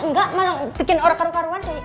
enggak malah bikin orang karuan karuan kayak